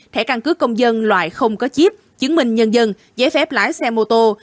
thẻ căn cứ công dân loại không có chip chứng minh nhân dân giấy phép lái xe mô tô